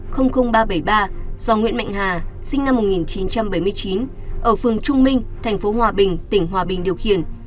do nguyễn mạnh hà sinh năm một nghìn chín trăm bảy mươi chín ở phường trung minh thành phố hòa bình tỉnh hòa bình điều khiển